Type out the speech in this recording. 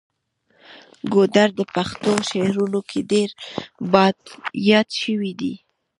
ګودر د پښتو شعرونو کې ډیر یاد شوی دی.